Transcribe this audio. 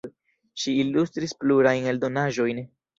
Ŝi ilustris plurajn eldonaĵojn.